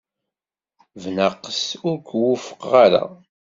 Bnaqes, ur k-wufqeɣ ara.